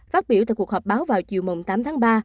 phát biểu tại cuộc họp báo vào chiều tám tháng ba